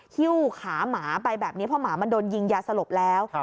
ฮิ้วขาหมาไปแบบนี้เพราะหมามันโดนยิงยาสลบแล้ว